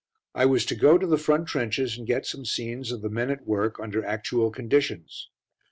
I was to go to the front trenches and get some scenes of the men at work under actual conditions.